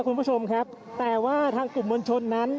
คุณภูริพัฒน์ครับ